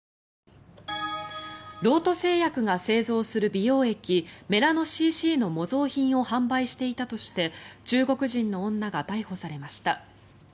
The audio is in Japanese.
ロート製薬が製造する美容液メラノＣＣの模造品を販売していたとして中国人の女が逮捕されました。